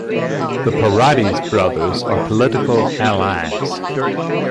The Paradis brothers are political allies.